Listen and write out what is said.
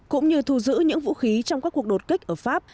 cũng như thu giữ những vũ khí trong các cuộc đột kích ở pháp